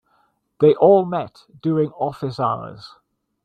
They all met during office hours.